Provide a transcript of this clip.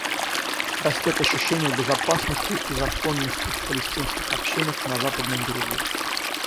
Растет ощущение безопасности и законности в палестинских общинах на Западном берегу.